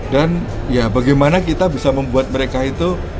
dan bagaimana kita bisa membuat mereka itu